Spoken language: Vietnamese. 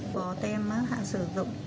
có tem hạ sử dụng